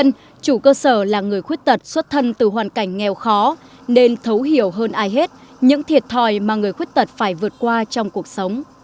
nhưng chủ cơ sở là người khuyết tật xuất thân từ hoàn cảnh nghèo khó nên thấu hiểu hơn ai hết những thiệt thòi mà người khuyết tật phải vượt qua trong cuộc sống